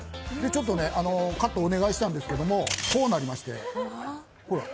カットお願いしたんですけども、こうなりまして。